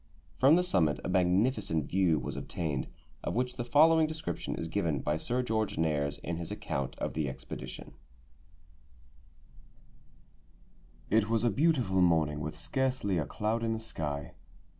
From the summit a magnificent view was obtained, of which the following description is given by Sir George Nares in his account of the expedition: "It was a beautiful morning, with scarcely a cloud in the sky.